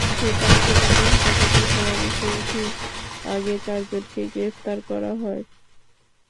সেই তালিকা থেকে হেফাজতের সমাবেশের ঠিক আগে চারজনকে গ্রেপ্তার করা হয়।